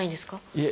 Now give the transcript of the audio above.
いえ。